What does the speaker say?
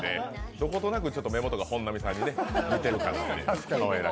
どことなく目元が本並さんに似てるかなと。